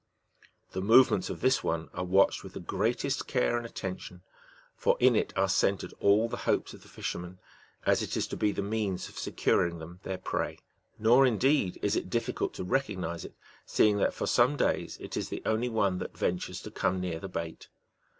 The movements of this one are watched with the greatest care and attention, for in it are centred all the hopes of the fishermen, as it is to be the means of securing them their prey ; nor, indeed, is it difficult to recognize it, seeing that for some days it is the only one that ventures to come near the bait.